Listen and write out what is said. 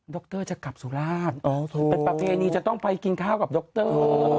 รจะกลับสุราชเป็นประเพณีจะต้องไปกินข้าวกับดร